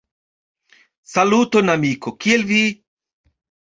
Saluton amiko, kiel vi?